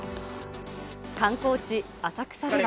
観光地、浅草では。